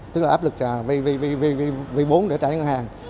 tức là áp lực trả v bốn để trả ngân hàng